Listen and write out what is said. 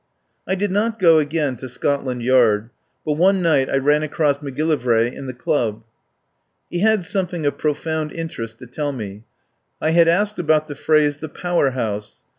I did not go again to Scotland Yard, but one night I ran across Macgillivray in the club. He had something of profound interest to tell me. I had asked about the phrase, the "Power House."